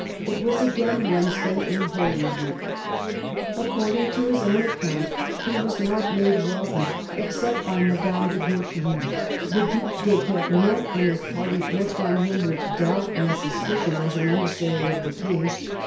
It was again Wednes day in Holy Week. According to his own account he was not made welcome, except by Madame de Guercheville. The Due d'lipernon and his party looked on him with doubt and suspicion as an emissary of the King.